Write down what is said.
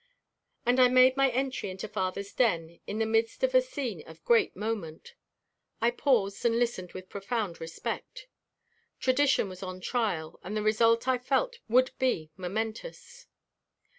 And I made my entry into father's den in the midst of a scene of great moment. I paused and listened with profound respect. Tradition was on trial and the result I felt would be momentous.